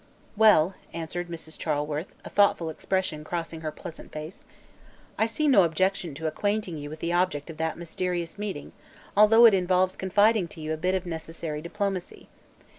"Well," answered Mrs. Charleworth, a thoughtful expression crossing her pleasant face, "I see no objection to acquainting you with the object of that mysterious meeting, although it involves confiding to you a bit of necessary diplomacy.